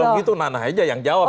oh gitu nana aja yang jawab